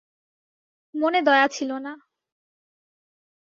মনে দয়া ছিল না।